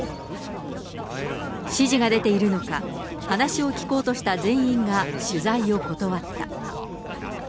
指示が出ているのか、話を聞こうとした全員が取材を断った。